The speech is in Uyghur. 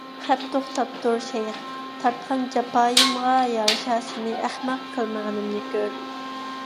خەپ توختاپتۇر، شەيخ! تارتقان جاپايىمغا يارىشا سېنى ئەخمەق قىلمىغىنىمنى كۆر!